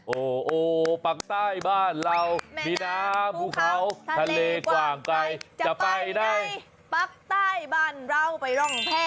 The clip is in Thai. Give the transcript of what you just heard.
โอ้โหภาคใต้บ้านเรามีน้ำภูเขาทะเลกว่างไกล